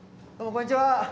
こんにちは。